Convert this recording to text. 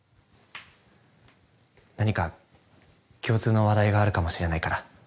何か共通の話題があるかもしれないから。